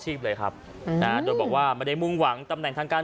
เลยครับนะโดยบอกว่าไม่ได้มุ่งหวังตำแหน่งทางการ